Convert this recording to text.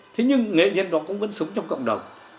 thế nhưng nghệ nhân đó cũng vẫn sống trong cộng đồng